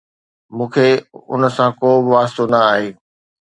؟ مون کي ان سان ڪو به واسطو نه آهي